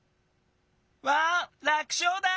わあ楽しょうだ！